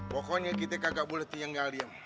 pokoknya kita kagak boleh tinggal diam